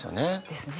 ですね。